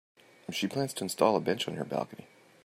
She plans to install a bench on her balcony.